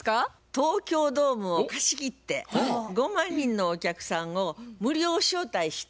東京ドームを貸し切って５万人のお客さんを無料招待して